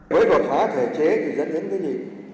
với đột phá thể chế thì dẫn đến cái nhìn